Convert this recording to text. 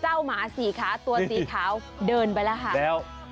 เจ้าหมาสี่ขาตัวสี่ขาวเดินไปแล้วค่ะ